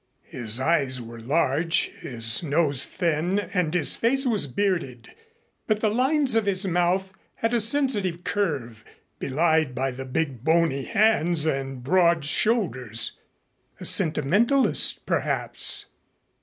His eyes were large, his nose thin and his face was bearded, but the lines of his mouth had a sensitive curve, belied by the big bony hands and broad shoulders. A sentimentalist, perhaps!